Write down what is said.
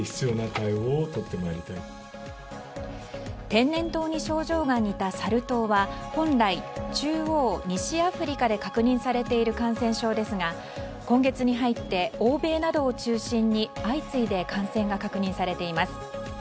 天然痘に似た症状のサル痘は本来、中央・西アフリカで確認されている感染症ですが今月に入って、欧米などを中心に相次いで感染が確認されています。